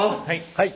はい！